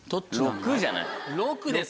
６じゃない？